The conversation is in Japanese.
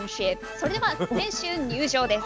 それでは選手入場です。